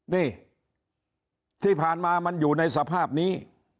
นี่ที่ผ่านมามันอยู่ในสภาพนี้